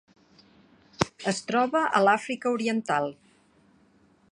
Es troba a l'Àfrica Oriental: